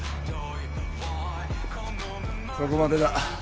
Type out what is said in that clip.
そこまでだ。